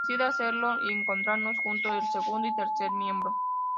Decidí a hacerlo y encontramos juntos el segundo y tercer miembro".